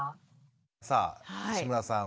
さあ志村さん